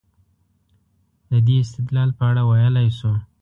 د دې استدلال په اړه ویلای شو.